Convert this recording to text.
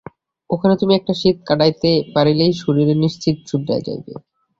এখানে তুমি একটা শীত কাটাইতে পারিলেই শরীর নিশ্চিত শুধরাইয়া যাইবে।